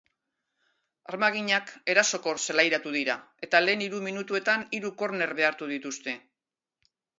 Armaginak erasokor zelairatu dira, eta lehen hiru minutuetan hiru korner behartu dituzte.